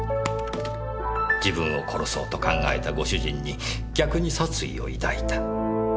自分を殺そうと考えたご主人に逆に殺意を抱いた。